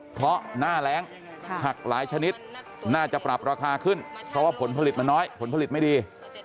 เพราะหน้าแรงผักหลายชนิดน่าจะปรับราคาขึ้นเพราะว่าผลผลิตมันน้อยผลผลิตไม่ดี